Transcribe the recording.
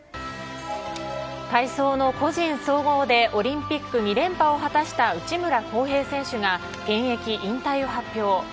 体操の個人総合でオリンピック２連覇を果たした内村航平選手が現役引退を発表。